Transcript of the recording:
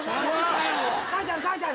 書いてある書いてある。